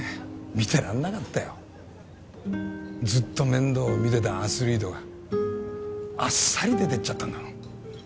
見てらんなかったよずっと面倒見てたアスリートがあっさり出てっちゃったんだもん